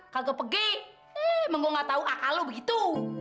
kalau pergi emang gua gak tau akal lu begitu